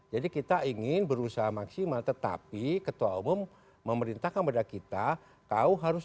jadi kita ingin berusaha maksimal tetapi ketua umum memerintahkan pada kita kau harus